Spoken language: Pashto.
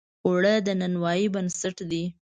اوړه د نانوایۍ بنسټ دی